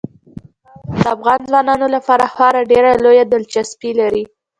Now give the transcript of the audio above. خاوره د افغان ځوانانو لپاره خورا ډېره لویه دلچسپي لري.